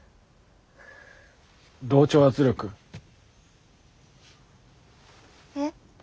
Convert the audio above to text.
・同調圧力。え？